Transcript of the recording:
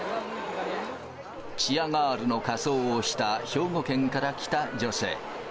チアガールの仮装をした、兵庫県から来た女性。